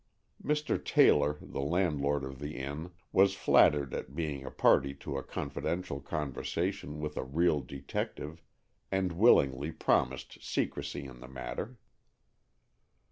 Mr. Taylor, the landlord of the inn, was flattered at being a party to a confidential conversation with a real detective, and willingly promised secrecy in the matter.